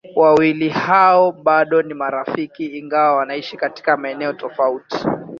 Wawili hao bado ni marafiki ingawa wanaishi katika maeneo tofauti.